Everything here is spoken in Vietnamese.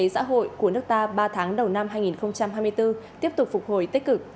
xã hội của nước ta ba tháng đầu năm hai nghìn hai mươi bốn tiếp tục phục hồi tích cực